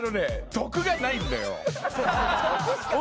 得がないんだよ。